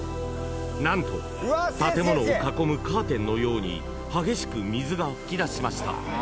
［何と建物を囲むカーテンのように激しく水が噴き出しました］